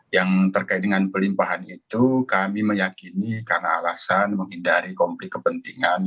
yang terkait dengan pelimpahan itu kami meyakini karena alasan menghindari konflik kepentingan